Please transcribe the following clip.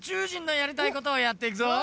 人のやりたいことをやっていくぞ！